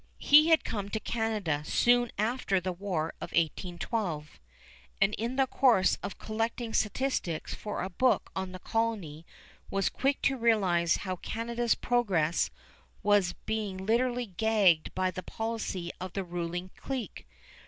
He had come to Canada soon after the War of 1812, and in the course of collecting statistics for a book on the colony was quick to realize how Canada's progress was being literally gagged by the policy of the ruling clique.